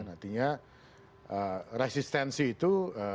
artinya resistensi itu